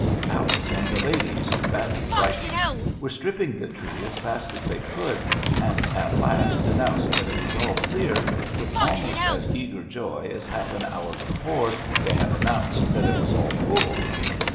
Alice and the ladies, badly frightened, were stripping the tree as fast as they could, and at last announced that it was all clear, with almost as eager joy as half an hour before they had announced that it was all full.